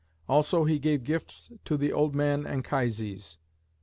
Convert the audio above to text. Also he gave gifts to the old man Anchises.